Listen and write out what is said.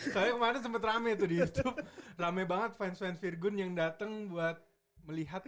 saya kemarin sempat rame tuh di youtube rame banget fans fans virgon yang datang buat melihat